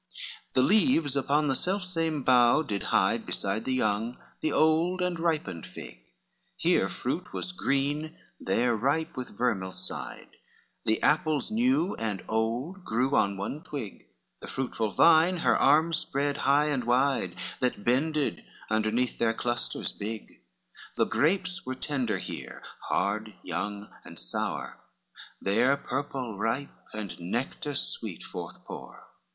XI The leaves upon the self same bough did hide Beside the young the old and ripened fig, Here fruit was green, there ripe with vermeil side, The apples new and old grew on one twig, The fruitful vine her arms spread high and wide That bended underneath their clusters big, The grapes were tender here, hard, young and sour, There purple ripe, and nectar sweet forth pour.